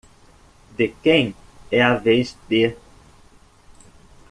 De quem é a vez de?